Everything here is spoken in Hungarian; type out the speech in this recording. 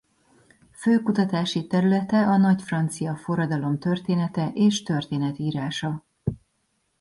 Fő kutatási területe a nagy francia forradalom története és történetírása.